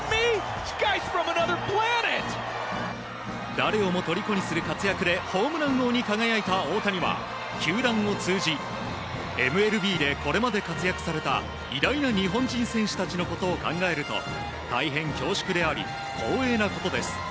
誰をも虜にする活躍でホームラン王に輝いた大谷は球団を通じＭＬＢでこれまで活躍された偉大な日本人選手たちのことを考えると大変恐縮であり光栄なことです。